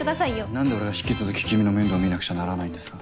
何で俺が引き続き君の面倒を見なくちゃならないんですか。